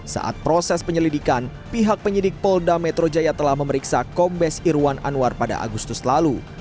saat proses penyelidikan pihak penyidik polda metro jaya telah memeriksa kombes irwan anwar pada agustus lalu